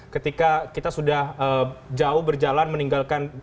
ketika kita sudah jauh berjalan meninggalkan